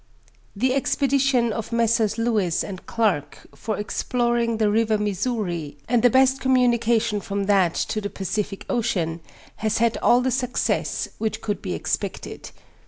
The expedition of Messrs. LEWIS and CLARKE, for ex ploring the river Missouri, and the best communication from that to tho Pacific Ocean, has had all the success which could be expected.